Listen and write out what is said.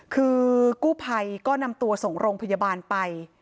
คือกู้ภัยก็นำตัวส่งโรงพยาบาลไป